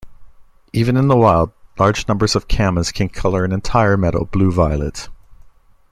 Even in the wild, large numbers of camas can color an entire meadow blue-violet.